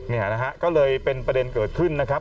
เนี่ยนะฮะก็เลยเป็นประเด็นเกิดขึ้นนะครับ